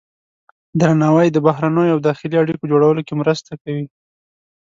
درناوی د بهرنیو او داخلي اړیکو جوړولو کې مرسته کوي.